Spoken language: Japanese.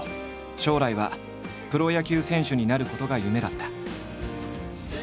将来はプロ野球選手になることが夢だった。